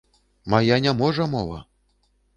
Мая не можа мова!